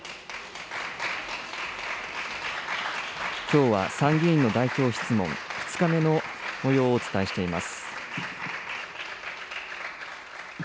きょうは参議院の代表質問、２日目のもようをお伝えしています。